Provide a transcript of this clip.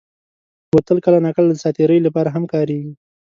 بوتل کله ناکله د ساعت تېرۍ لپاره هم کارېږي.